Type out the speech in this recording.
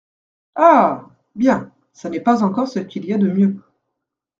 Ah ! bien, ça n'est pas encore ce qu'il y a de mieux.